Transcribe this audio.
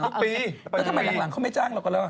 ทุกปีแล้วทำไมหลังเขาไม่จ้างเรากันแล้ว